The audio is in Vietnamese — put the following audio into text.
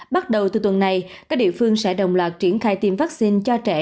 bắt đầu từ tuần này các địa phương sẽ đồng loạt triển khai tiêm vaccine cho trẻ